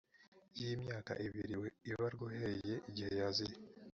y imyaka ibiri ibarwa uhereye igihe yaziye